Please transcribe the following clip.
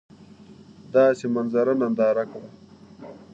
داسي منظره ننداره کړه !